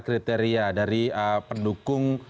kriteria dari pendukung